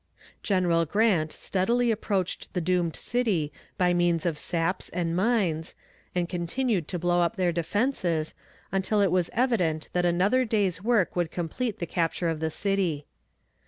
General Grant steadily approached the doomed city by means of saps and mines, and continued to blow up their defenses, until it was evident that another day's work would complete the capture of the city.